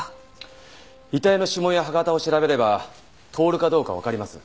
遺体の指紋や歯型を調べれば透かどうかわかります。